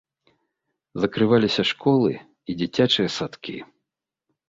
Закрываліся школы і дзіцячыя садкі.